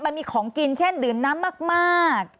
มันมีของกินเช่นดื่มน้ำมาก